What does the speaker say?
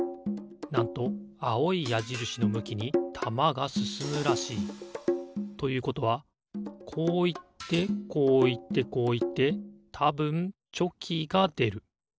なんとあおいやじるしの向きにたまがすすむらしい。ということはこういってこういってこういってたぶんチョキがでる。